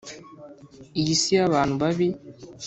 Iyi si y abantu babi